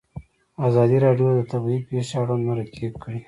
ازادي راډیو د طبیعي پېښې اړوند مرکې کړي.